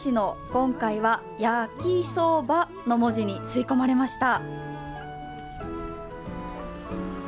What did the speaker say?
今回は「やきそば」の文字に吸い込まれました。